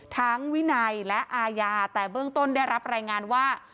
วินัยและอาญาแต่เบื้องต้นได้รับรายงานว่า